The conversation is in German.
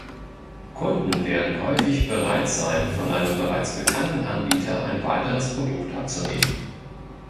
Kunden werden häufig bereit sein, von einem bereits bekannten Anbieter ein weiteres Produkt abzunehmen.